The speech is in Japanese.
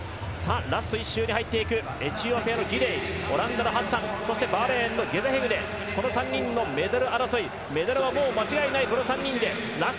ラスト１周に入っていくエチオピアのギデイオランダのハッサンバーレーンのゲザヘグネこの３人のメダル争いメダルはもうこの３人で間違いない。